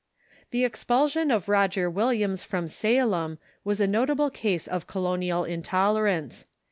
The expulsion of Roger Williams from Salem was a nota ble case of colonial intolerance.